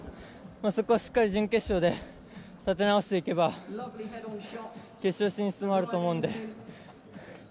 そこはしっかり準決勝で立て直していけば決勝進出もあると思うので。